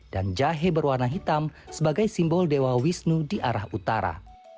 dan bahaya berwarna hitam sebagai simbol dewa wisnu di arah utara